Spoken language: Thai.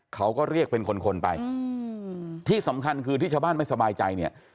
เขาก็เรียกเป็นคนคนไปที่สำคัญคือที่ชาวบ้านไม่สบายใจเนี่ย